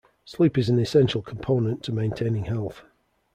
Sleep is an essential component to maintaining health.